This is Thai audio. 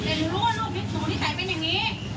ของอยู่ว่าเด็กมันไม่ค่อยเจอไม่ค่อยเจอคนอย่างนี้